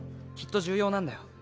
きっと重要なんだよ